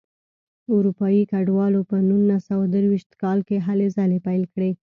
اروپایي کډوالو په نولس سوه درویشت کال کې هلې ځلې پیل کړې.